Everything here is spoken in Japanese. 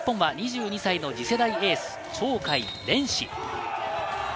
しかし日本は２２歳の次世代エース・鳥海連志。